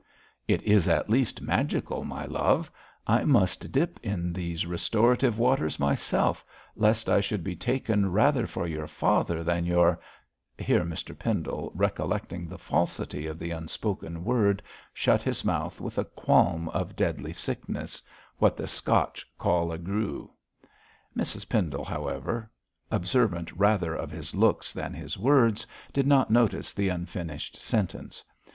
'It is at least magical, my love. I must dip in these restorative waters myself, lest I should be taken rather for your father than your ' Here Dr Pendle, recollecting the falsity of the unspoken word, shut his mouth with a qualm of deadly sickness what the Scotch call a grue. Mrs Pendle, however, observant rather of his looks than his words, did not notice the unfinished sentence.